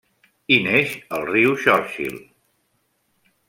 Hi neix el riu Churchill.